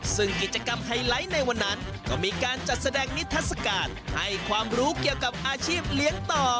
ซึ่งกิจกรรมไฮไลท์ในวันนั้นก็มีการจัดแสดงนิทัศกาลให้ความรู้เกี่ยวกับอาชีพเลี้ยงต่อ